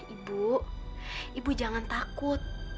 ibu ibu jangan takut